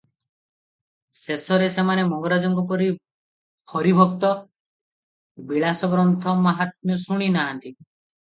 ଶେଷରେ ସେମାନେ ମଙ୍ଗରାଜଙ୍କ ପରି ହରିଭକ୍ତି - ବିଳାସ ଗ୍ରନ୍ଥ ମାହାତ୍ମ୍ୟ ଶୁଣି ନାହାନ୍ତି ।